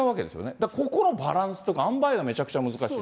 だからここのバランスというかあんばいがめちゃめちゃ難しい。